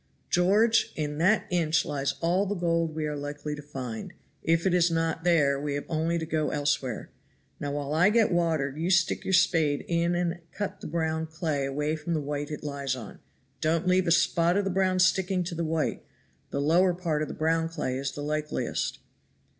"George! in that inch lies all the gold we are likely to find; if it is not there we have only to go elsewhere. Now while I get water you stick your spade in and cut the brown clay away from the white it lies on. Don't leave a spot of the brown sticking to the white the lower part of the brown clay is the likeliest."